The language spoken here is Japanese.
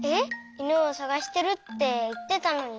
いぬをさがしてるっていってたのに。